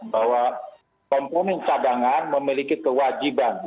bahwa komponen cadangan memiliki kewajiban